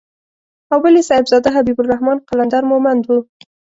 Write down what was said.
او بل يې صاحبزاده حبيب الرحمن قلندر مومند و.